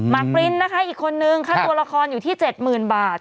ปรินนะคะอีกคนนึงค่าตัวละครอยู่ที่๗๐๐๐บาท